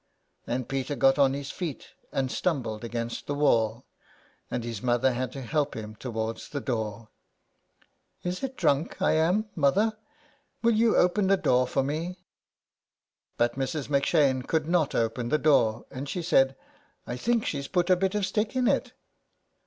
And Peter got on his feet and stumbled against the wall, and his mother had to help him towards the door. " Is it drunk I am, mother ? Will you open the door for me ?" But Mrs. M 'Shane could not open the door, and she said :—*' I think she's put a bit of stick in it."